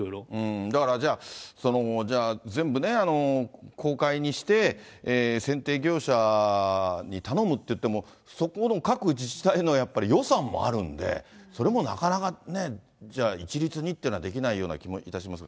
だからじゃあ、全部ね、公開にして、選定業者に頼むっていっても、そこの各自治体のやっぱり、予算もあるんで、それもなかなかね、じゃあ一律にっていうのはできないような気もいたします。